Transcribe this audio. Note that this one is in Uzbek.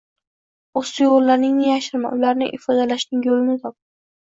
O‘z tuyg‘ularingni yashirma, ularni ifodalashning yo‘lini top.